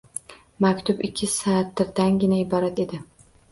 Maktub ikki satrdangina iborat edi.